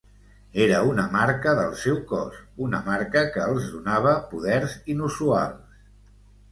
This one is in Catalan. Era una marca del seu cos, una marca que els donava poders inusuals.